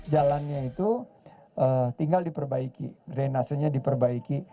jalannya itu tinggal diperbaiki drenasenya diperbaiki